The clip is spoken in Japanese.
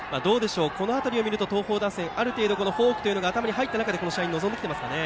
この辺り、東邦打線はある程度、フォークが頭に入った中で試合に臨んできていますかね。